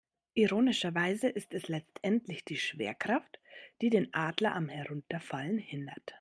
Ironischerweise ist es letztendlich die Schwerkraft, die den Adler am Herunterfallen hindert.